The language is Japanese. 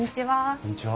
こんにちは。